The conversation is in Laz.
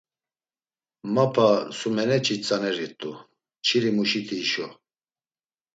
Mapa sumeçi tzanerirt̆u; çilimuşiti hişo.